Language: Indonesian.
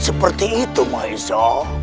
seperti itu mahesa